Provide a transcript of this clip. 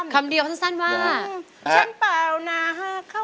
คำเดียวขั้นสั้นว่า